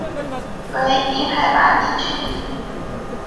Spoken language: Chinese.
为零海拔地区。